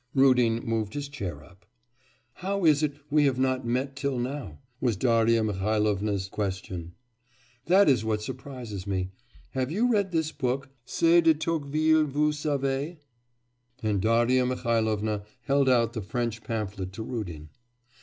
Rudin moved his chair up. 'How is it we have not met till now?' was Darya Mihailovna's question. 'That is what surprises me. Have you read this book? C'est de Tocqueville, vous savez?' And Darya Mihailovna held out the French pamphlet to Rudin.